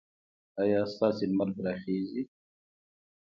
ایا ستاسو لمر به راخېژي؟